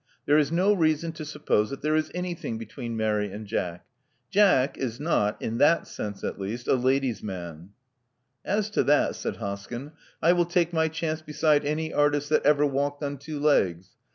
There is no reason to suppose that there is anything between Mary and Jack. Jack is not — in that sense, at least — a ladies* man.'* As to that,*' said Hoskyn, ! will take my chance beside any artist that ever walked on two legs.